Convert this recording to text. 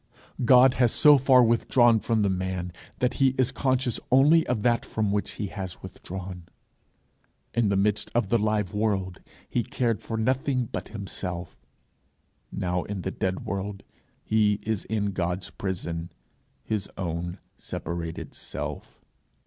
God has so far withdrawn from the man, that he is conscious only of that from which he has withdrawn. In the midst of the live world he cared for nothing but himself; now in the dead world he is in God's prison, his own separated self.